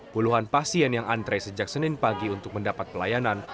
puluhan pasien yang antre sejak senin pagi untuk mendapat pelayanan